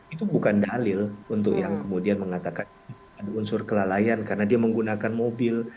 itu bukan dalil untuk yang kemudian mengatakan ada unsur kelalaian karena dia menggunakan mobil